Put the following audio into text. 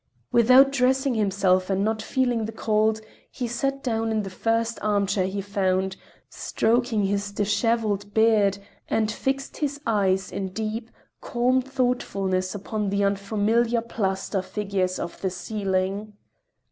Without dressing himself and not feeling the cold, he sat down in the first armchair he found, stroking his disheveled beard, and fixed his eyes in deep, calm thoughtfulness upon the unfamiliar plaster figures of the ceiling.